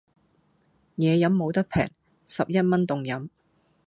野飲無得平,十一蚊凍飲